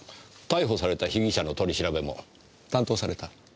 逮捕された被疑者の取り調べも担当された？